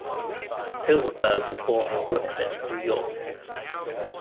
Silverberg was born in Brooklyn, New York.